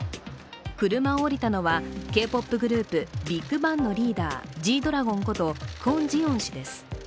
車を降りたのはＫ−ＰＯＰグループ、ＢＩＧＢＡＮＧのリーダー、Ｇ−ＤＲＡＧＯＮことクォン・ジヨン氏です。